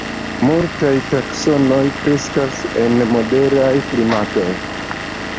Multaj taksonoj kreskas en moderaj klimatoj.